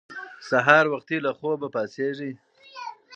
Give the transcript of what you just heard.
سهار وختي له خوبه پاڅېږئ.